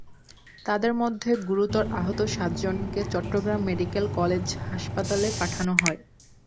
তাঁদের মধ্যে গুরুতর আহত সাতজনকে চট্টগ্রাম মেডিকেল কলেজ হাসপাতালে পাঠানো হয়।